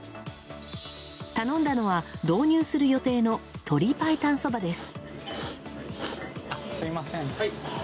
頼んだのは導入する予定の鶏白湯ｓｏｂａです。